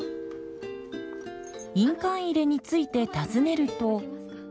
印鑑入れについて尋ねると。